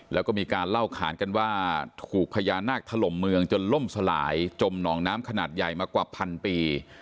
แล้วก็มีการเล่าขานกันว่าถูกพญานาคถล่มเมืองจนล่มสลายจมหนองน้ำขนาดใหญ่มากว่าพันปี